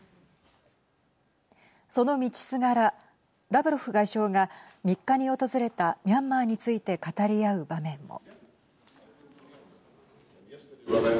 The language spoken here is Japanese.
その道すがらラブロフ外相が３日に訪れたミャンマーについて語り合う場面も。